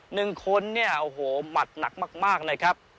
หนึ่งคนนี่หมัดหนักมากนะครับ